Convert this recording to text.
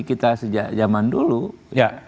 kita sejaman dulu ya